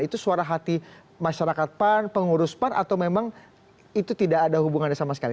itu suara hati masyarakat pan pengurus pan atau memang itu tidak ada hubungannya sama sekali